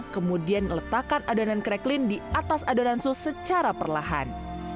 kemudian letakkan adonan kreklin di atas adonan sos secara perlahan